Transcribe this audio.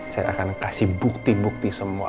saya akan kasih bukti bukti semua